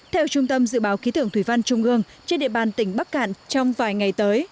theo trung tâm dự báo khí tượng thủy văn trung ương trên địa bàn tỉnh bắc cạn trong vài ngày tới